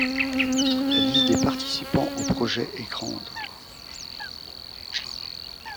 La liste des participants au projet est grande.